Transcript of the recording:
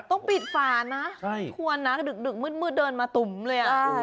ต้องปิดฝานะไม่ควรนะดึกมืดเดินมาตุ๋มเลย